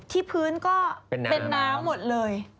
ที่พื้นก็เป็นน้ำหมดเลย